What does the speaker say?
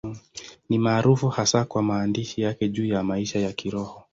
Ni maarufu hasa kwa maandishi yake juu ya maisha ya Kiroho.